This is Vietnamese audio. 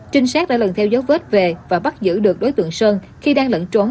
trinh sát đã lần theo dấu vết về và bắt giữ được đối tượng sơn khi đang lẫn trốn